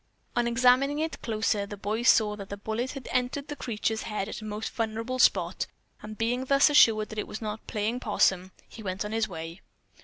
On examining it closer, the boy saw that the bullet had entered the creature's head at a most vulnerable spot, and being thus assured that it was not playing possum, he went on his way.